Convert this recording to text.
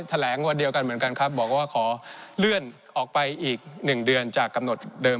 แถลงวันเดียวกันเหมือนกันครับบอกว่าขอเลื่อนออกไปอีก๑เดือนจากกำหนดเดิม